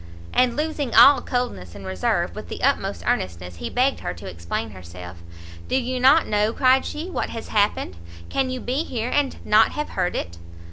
And losing all coldness and reserve, with the utmost earnestness he begged her to explain herself. "Do you not know," cried she, "what has happened? Can you be here and not have heard it?"